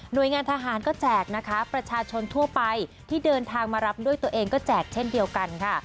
โดยงานทหารก็แจกนะคะประชาชนทั่วไปที่เดินทางมารับด้วยตัวเองก็แจกเช่นเดียวกันค่ะ